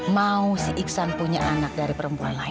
mau si iksan punya anak dari perempuan lain